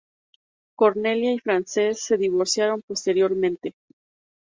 Cornelia y Frances se divorciaron posteriormente.